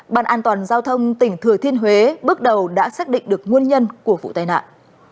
bàn an toàn giao thông tỉnh thừa thiên huế bước đầu đã xác định được nguồn nhân của vụ tai nạn